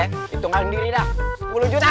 hitungan diri dah sepuluh juta